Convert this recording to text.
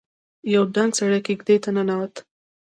يو دنګ سړی کېږدۍ ته ننوت.